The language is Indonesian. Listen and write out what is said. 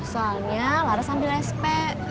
soalnya laras ambil sp